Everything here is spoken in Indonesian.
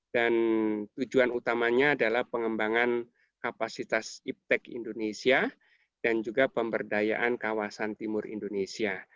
dan itu adalah pengembangan kapasitas iptec indonesia dan juga pemberdayaan kawasan timur indonesia